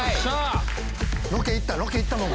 ロケ行ったもん